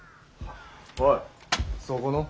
おいそこの。